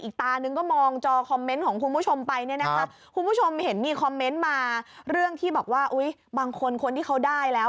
คอมเมนต์มาเรื่องที่บอกว่าบางคนคนที่เขาได้แล้ว